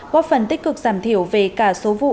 góp phần tích cực giảm thiểu về cả số vụ